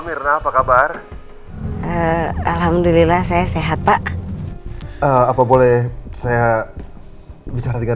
mirna apa kabar alhamdulillah saya sehat pak apa boleh saya bicara dengan